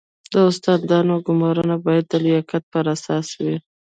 د استادانو ګمارنه باید د لیاقت پر اساس وي